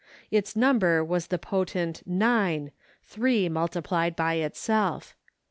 Its number was the potent nine, three multiplied by itself.